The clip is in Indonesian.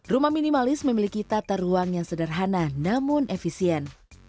rumah minimalis memiliki tata ruang yang sederhana namun efisien